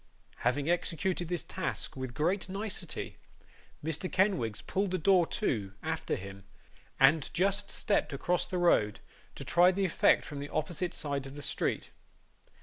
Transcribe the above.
Having executed this task with great nicety, Mr. Kenwigs pulled the door to, after him, and just stepped across the road to try the effect from the opposite side of the street.